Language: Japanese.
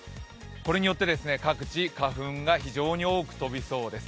これによって各地、花粉が多く飛びそうです。